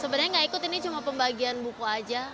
sebenarnya nggak ikut ini cuma pembagian buku aja